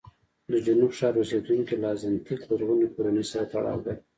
د جنوبي ښار اوسېدونکي له ازتېک لرغونې کورنۍ سره تړاو لري.